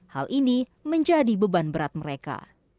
hal ini menjadi beban berat mereka